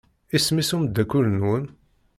Isem-is umeddakel-nwen?